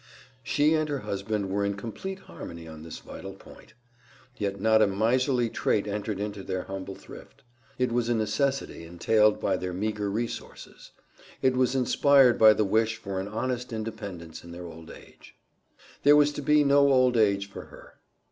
She and her husband were in complete harmony on this vital point. Yet not a miserly trait entered into their humble thrift. It was a necessity entailed by their meager resources; it was inspired by the wish for an honest independence in their old age. There was to be no old age for her.